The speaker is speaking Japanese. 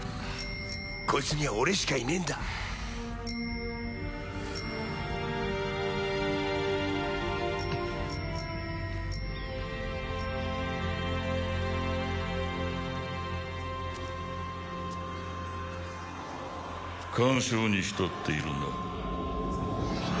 こいつには俺しかいねえんだ感傷に浸っているな？